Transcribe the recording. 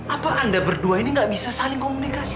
apa anda berdua ini gak bisa saling komunikasi